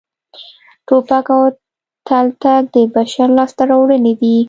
ټوپک او تلتک د بشر لاسته راوړنې دي